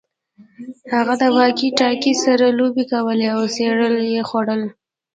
هغه د واکي ټاکي سره لوبې کولې او سیریل یې خوړل